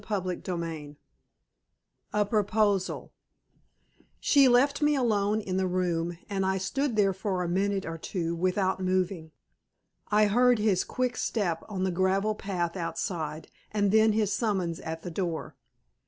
CHAPTER XXV A PROPOSAL She left me alone in the room, and I stood there for a minute or two without moving. I heard his quick step on the gravel path outside and then his summons at the door.